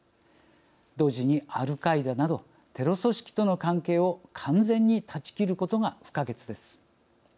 同時にアルカイダなどテロ組織との関係を完全に断ち切ることが不可欠です。